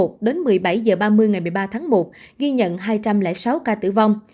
đến một mươi bảy h ba mươi ngày một mươi ba tháng một ghi nhận hai trăm linh sáu ca tử vong